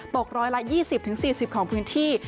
ตก๑๒๐๔๐ของพื้นที่